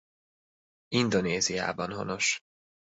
Indonéziában honos.